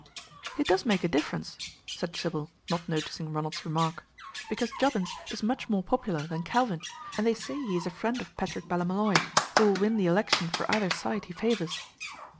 "It does make a difference," said Sybil, not noticing Ronald's remark, "because Jobbins is much more popular than Calvin, and they say he is a friend of Patrick Ballymolloy, who will win the election for either side he favors."